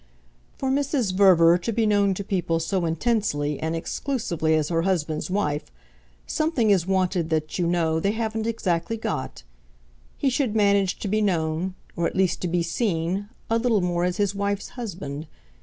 "For Mrs. Verver to be known to people so intensely and exclusively as her husband's wife, something is wanted that, you know, they haven't exactly got. He should manage to be known or at least to be seen a little more as his wife's husband.